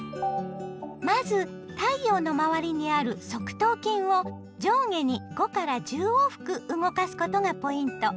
まず太陽の周りにある側頭筋を上下に５１０往復動かすことがポイント。